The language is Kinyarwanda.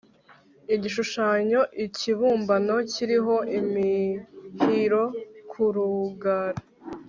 igishushanyo ikibumbano kiriho imihiro ku rugara